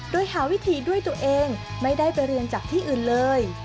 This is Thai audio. โดยหาวิธีด้วยตัวเองไม่ได้ไปเรียนจากที่อื่นเลย